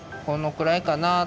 これくらいかな。